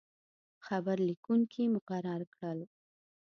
خبر لیکونکي مقرر کړل.